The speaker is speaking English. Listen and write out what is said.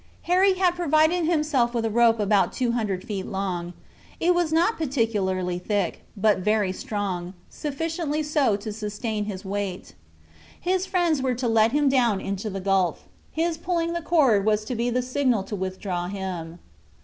Harry had provided himself with a rope about 200 feet long. It was not particularly thick, but very strong—sufficiently so to sustain his weight. His friends were to let him down into the gulf, and his pulling the cord was to be the signal to withdraw him.